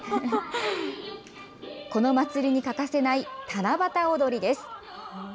このまつりに欠かせない七夕おどりです。